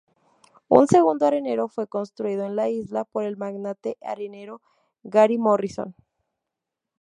Un segundo aeropuerto fue construido en la isla por el magnate arenero Gary Morrison.